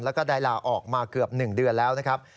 แล้วก็ได้ลาออกมาเกือบ๑เดือนแล้วนะครับ